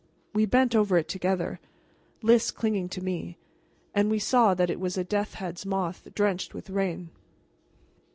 We bent over it together, Lys clinging to me, and we saw that it was a death's head moth drenched with rain.